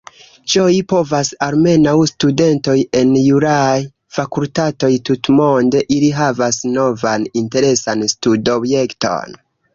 Ĝoji povas almenaŭ studentoj en juraj fakultatoj tutmonde: ili havas novan interesan studobjekton.